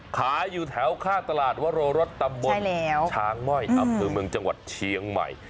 ขายอยู่แถวข้างตลาดวโรรสตำบลช้างม่อยอำเภอเมืองจังหวัดเชียงใหม่